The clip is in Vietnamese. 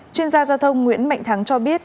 chuyên gia giao thông nguyễn mạnh thắng cho biết